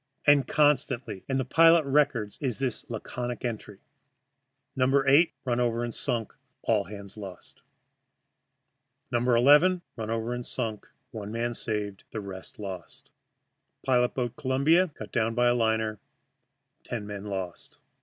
And constantly in the pilot records is this laconic entry: "No. 8 run over and sunk; all hands lost." "No. 11 run over and sunk; one man saved, the rest lost." "Pilot boat Columbia cut down by a liner; ten men lost."